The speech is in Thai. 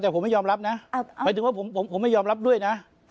แต่ผมไม่ยอมรับนะหมายถึงว่าผมไม่ยอมรับด้วยนะ